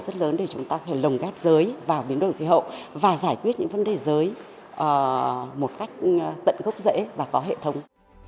đây là một cái cơ hội rất lớn để chúng ta có thể lồng ghép giới vào biến đổi khí hậu và giải quyết những vấn đề giới một cách tận gốc dễ và có hệ thống